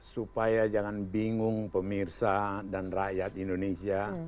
supaya jangan bingung pemirsa dan rakyat indonesia